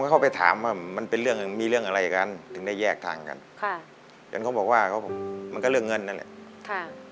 ผมเข้าไปถามว่ามันเป็นเรื่องมีเรื่องอะไรกันถึงได้แยกทางกันค่ะอย่างเขาบอกว่าเขาบอกมันก็เรื่องเงินเลยค่ะ